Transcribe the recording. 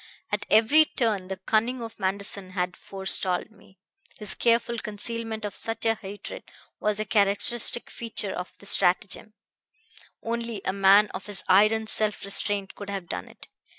At every turn the cunning of Manderson had forestalled me. His careful concealment of such a hatred was a characteristic feature of the stratagem; only a man of his iron self restraint could have done it.